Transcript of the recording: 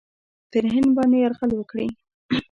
پر هند باندي یرغل وکړي.